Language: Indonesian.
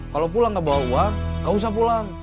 kalau pulang gak bawa uang gak usah pulang